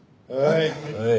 はい。